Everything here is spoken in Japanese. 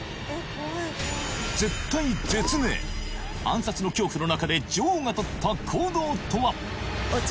暗殺の恐怖の中で女王がとった行動とは？